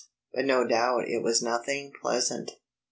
But no doubt it was nothing pleasant.